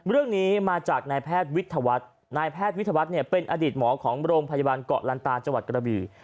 เรื่องนี้มาจากนายแพทย์วิทยาวัฒน์นายแพทย์วิทยาวัฒน์เนี่ยเป็นอดีตหมอของโรงพยาบาลเกาะลันตาจังหวัดกระบี่